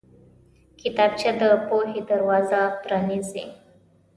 کتابچه د پوهې دروازه پرانیزي